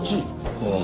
ああ。